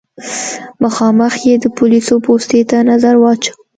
مخامخ يې د پوليسو پوستې ته نظر واچوه.